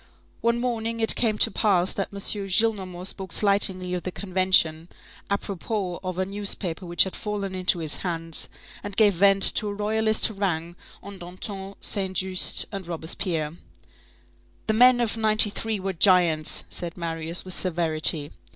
One morning it came to pass that M. Gillenormand spoke slightingly of the Convention, apropos of a newspaper which had fallen into his hands, and gave vent to a Royalist harangue on Danton, Saint Juste and Robespierre.—"The men of '93 were giants," said Marius with severity.